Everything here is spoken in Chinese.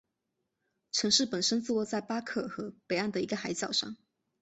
城市本身坐落在巴克尔河北岸的一个海角上。